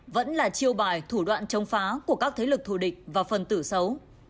vẫn là chiêu bài thủ đoạn chống phá của các thế lực thù địch và phần tử xấu